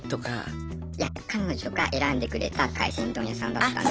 いや彼女が選んでくれた海鮮丼屋さんだったんで。